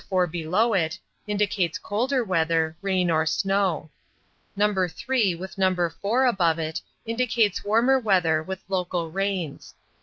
4 below it, indicates colder weather, rain or snow. No. 8, with No. 4 above it, indicates warmer weather with local rains.